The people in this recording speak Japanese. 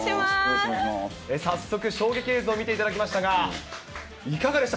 早速、衝撃映像、見ていただきましたが、いかがでした？